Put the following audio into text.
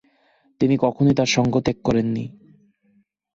তিনি কখনই তার সঙ্গ ত্যাগ করেননি।